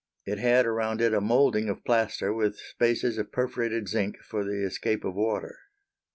It had around it a moulding of plaster with spaces of perforated zinc for the escape of water.